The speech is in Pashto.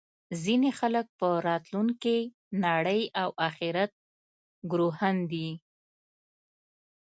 ځینې خلک په راتلونکې نړۍ او اخرت ګروهن دي